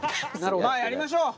まあやりましょう。